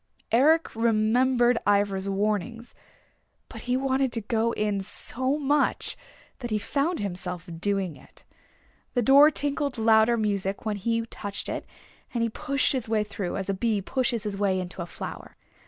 Eric remembered Ivra's warnings, but he wanted to go in so much that he found himself doing it. The door tinkled louder music when he touched it, and he pushed his way through, as a bee pushes his way into a flower.